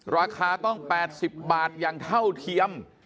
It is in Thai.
ราคาต้อง๘๐บาทอย่างเท่าเทียม